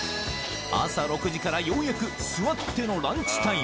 朝６時からようやく座ってのランチタイム